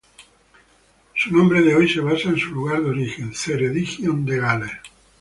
Su nombre de hoy se basa en su lugar de origen: Ceredigion en Gales.